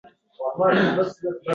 Siz yarador fil kabi baqirasiz!